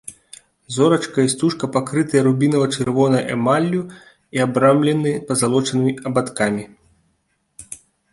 Зорачка і стужка пакрытыя рубінава-чырвонай эмаллю і абрамлены пазалочанымі абадкамі.